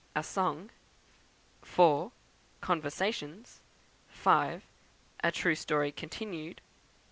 A Song; 4. Conversations; 5. A True Story continued; 6.